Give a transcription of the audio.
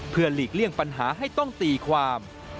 เพื่อหลีกเลี่ยงปัญหาให้ต้องตีความ